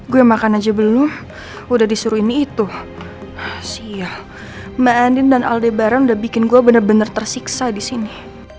gue makan aja belum udah disuruh ini itu sia mbak andin dan alde bareng udah bikin gue bener bener tersiksa di sini